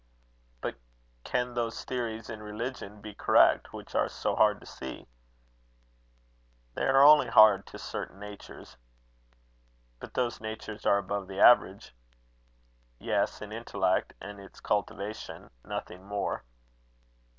"But can those theories in religion be correct which are so hard to see?" "They are only hard to certain natures." "But those natures are above the average." "Yes, in intellect and its cultivation nothing more."